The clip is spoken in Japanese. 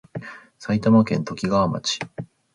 埼玉県ときがわ町